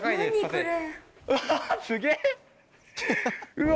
うわ！